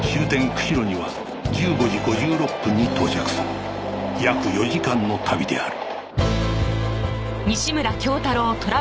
釧路には１５時５６分に到着する約４時間の旅である